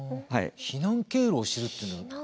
避難経路を知るっていうのは？